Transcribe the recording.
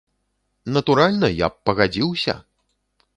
Натуральна, я б пагадзіўся!